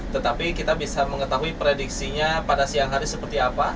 tetapi kita bisa mengetahui prediksinya pada siang hari seperti apa